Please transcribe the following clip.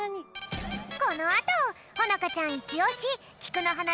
このあとほのかちゃんイチオシきくのはな